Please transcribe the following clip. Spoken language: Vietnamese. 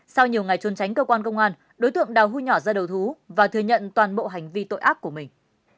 sau nhiều ngày trốn tránh cơ quan công an đối tượng đào huy nhỏ ra đầu thú và thừa nhận toàn bộ hành vi tội ác của mình